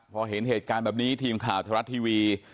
พอเห็นเหตุการณ์แบบนี้ทีมข่าวธรรมรัฐทีวี